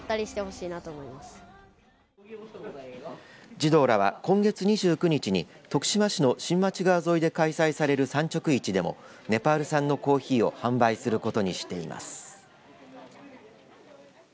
児童らは、今月２９日に徳島市の新町川沿いで開催される産直市でもネパール産のコーヒーを販売することにしています。